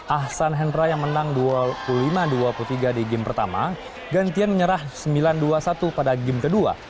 ahsan hendra yang menang dua puluh lima dua puluh tiga di game pertama gantian menyerah sembilan dua satu pada game kedua